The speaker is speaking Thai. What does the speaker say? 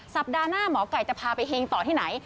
สัปดาห์หน้าหมอไก่จะพาไปเฮงต่อที่ไหน